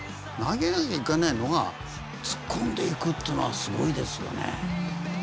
投げなきゃいけないのが突っ込んでいくっていうのはすごいですよね。